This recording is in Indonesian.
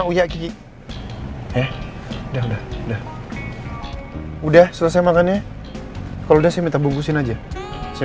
udah udah udah udah selesai makannya kalau udah minta bungkusin aja saya